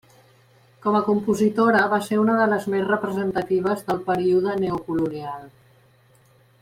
Com a compositora va ser una de les més representatives del període neocolonial.